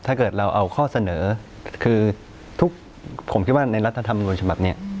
ถ้าเกิดเราเอาข้อเสนอคือทุกผมคิดว่าในรัฐธรรมนุนฉบับนี้